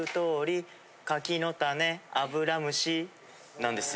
なんですよ。